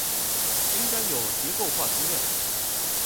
應該有結構化資料